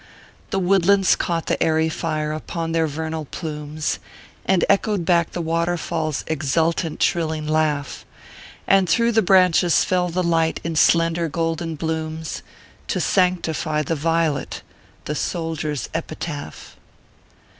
The woodlands caught the airy fire upon their vernal plumes, And echoed back the waterfall s exultant, trilling laugh ; And through the branches fell the light in slender golden blooms, To sanctify the Violet, the Soldier s Epitaph.